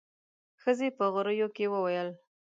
ښځې په غريو کې وويل.